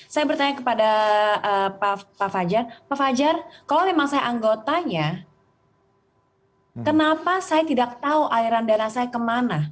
saya bertanya kepada pak fajar pak fajar kalau memang saya anggotanya kenapa saya tidak tahu aliran dana saya kemana